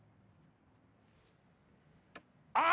あ！